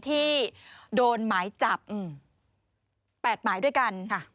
ที่โดนหมายจับ๘หมายด้วยกัน